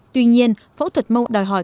tuy nhiên phẫu thuật mô đòi hỏi